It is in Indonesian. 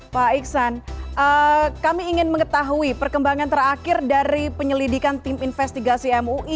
pak iksan kami ingin mengetahui perkembangan terakhir dari penyelidikan tim investigasi mui